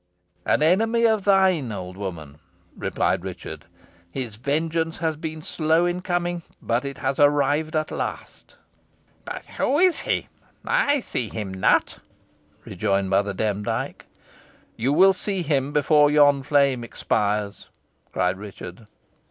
"An enemy of thine, old woman!" replied Richard, "His vengeance has been slow in coming, but it has arrived at last." "But who is he? I see him not!" rejoined Mother Demdike. "You will see him before yon flame expires," said Richard.